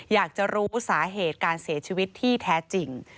อยากจะรู้สาเหตุการเสียชีวิตที่แท้จริง